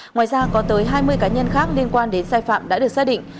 ngoài ra có tới hai mươi cá nhân khác liên quan đến sai phạm đã được xác định